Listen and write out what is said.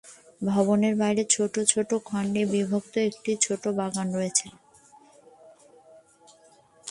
ভবনের বাইরে ছোট ছোট খণ্ডে বিভক্ত একটি ছোট বাগান রয়েছে।